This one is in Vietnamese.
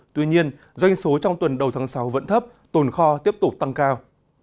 tuy nhiên doanh số trong tuần đầu tháng sáu vẫn thấp tồn kho tiếp tục tăng cao